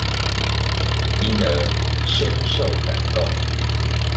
因而深受感動